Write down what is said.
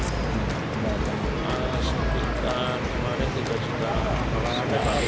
sebenarnya kita juga tidak bisa berjamaah haji